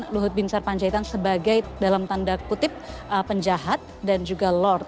luhut bin sarpanjaitan sebagai dalam tanda kutip penjahat dan juga lord